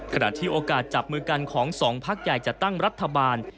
ขณะที่โอกาสจับมือกันของสองพักใหญ่จะตั้งรัฐบาล